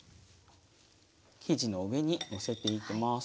生地の上にのせていきます。